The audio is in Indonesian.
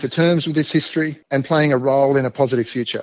dan memiliki peran untuk memiliki masa depan yang positif